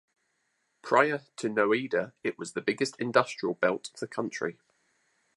Prior to Noida it was the biggest industrial belt of the country.